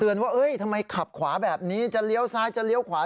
ว่าทำไมขับขวาแบบนี้จะเลี้ยวซ้ายจะเลี้ยวขวา